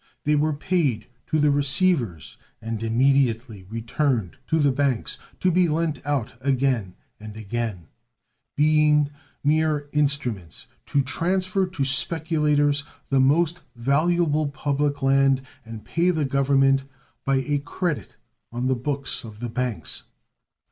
They were paid to the receivers and immediately returned to the banks, to be lent out again and again, being mere instruments to transfer to speculators the most valuable public land and pay the Government by a credit on the books of the banks.